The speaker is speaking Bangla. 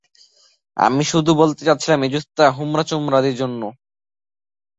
আমি শুধু বলতে চাচ্ছিলাম, এই জুসটা হোমরা-চোমরাদের জন্য।